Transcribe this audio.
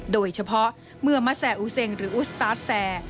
โดยเฉพาะเมื่อมะแซ่อุเซงหรืออุศตาศแส่